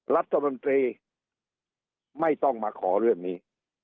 รัฐมนตรีไม่ต้องมาขอเรื่องนี้